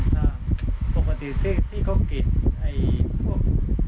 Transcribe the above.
ภายในที่เขาเก็บพวก